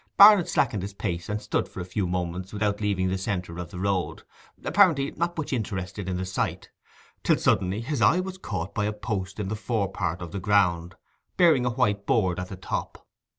Barnet slackened his pace and stood for a few moments without leaving the centre of the road, apparently not much interested in the sight, till suddenly his eye was caught by a post in the fore part of the ground bearing a white board at the top.